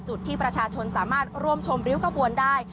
จุดที่ประชาชนสามารถร่วมชมริ้วขบวนได้